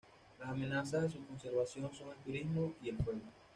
Las amenazas a su conservación son el turismo y el fuego.